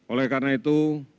oleh karena itu